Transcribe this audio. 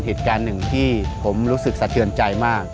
เหตุการณ์หนึ่งที่ผมรู้สึกสะเทือนใจมาก